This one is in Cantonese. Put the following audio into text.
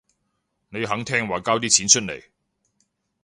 你肯聽話交啲錢出嚟